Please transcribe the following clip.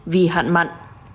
vì hạn mặn